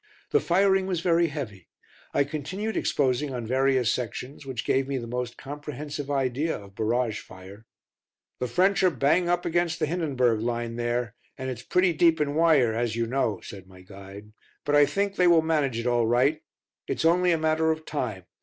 The firing was very heavy. I continued exposing on various sections which gave me the most comprehensive idea of barrage fire. "The French are bang up against the 'Hindenburg' line there, and it's pretty deep in wire as you know," said my guide, "but I think they will manage it all right; it's only a matter of time.